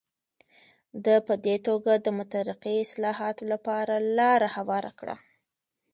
ده په دې توګه د مترقي اصلاحاتو لپاره لاره هواره کړه.